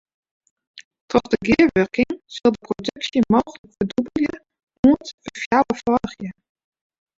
Troch de gearwurking sil de produksje mooglik ferdûbelje oant ferfjouwerfâldigje.